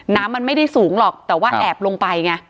ไม่ได้สูงหรอกแต่ว่าแอบลงไปไง